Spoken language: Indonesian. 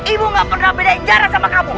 ibu gak pernah bedain jarak sama kamu